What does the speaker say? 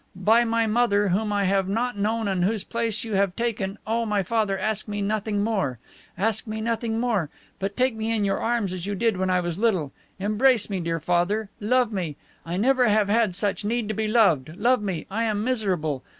By my mother, whom I have not known and whose place you have taken, oh, my father, ask me nothing more! Ask me nothing more! But take me in your arms as you did when I was little; embrace me, dear father; love me. I never have had such need to be loved. Love me! I am miserable.